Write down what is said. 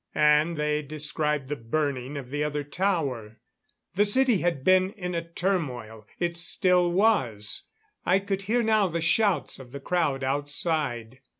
And they described the burning of the other tower. The city had been in a turmoil. It still was; I could hear now the shouts of the crowd outside.